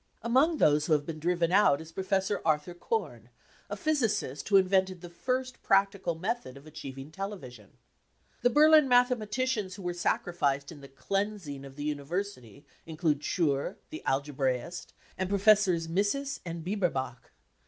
Among those who have been driven out is Professor Arthur Korn, a physicist who invented the first practical method of achiev ing television. The Berlin mathematicians who were sacrificed in the " cleansing 59 of the university include Schur, the algebraist, and Professors Misses and Bieberbach.